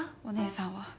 お姉さんは。